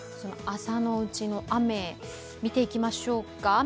朝のうちの雨、見ていきましょうか。